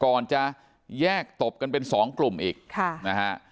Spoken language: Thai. ก่อนจะแยกตบกันเป็นสองกลุ่มอีกค่ะนะฮะ